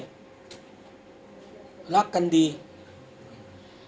คุณพูดไว้แล้วตั้งแต่ต้นใช่ไหมคะ